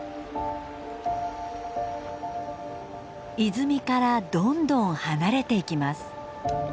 泉からどんどん離れていきます。